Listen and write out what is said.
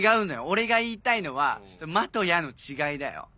俺が言いたいのは「ま」と「や」の違いだよ。